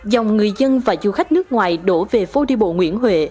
dòng người dân và du khách nước ngoài đổ về phố đi bộ nguyễn huệ